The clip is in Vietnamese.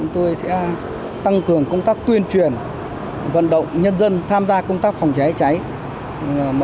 chúng tôi sẽ tăng cường công tác tuyên truyền vận động nhân dân tham gia công tác phòng cháy cháy